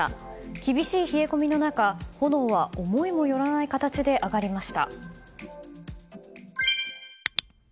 厳しい冷え込みの中、炎は思いもよらない形で上がりました。